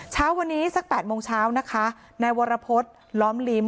เช้าวันนี้สัก๘โมงเช้านะคะนายวรพฤษล้อมลิ้ม